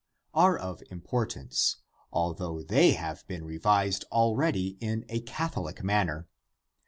are of importance, although they have been revised already in a Catholic manner.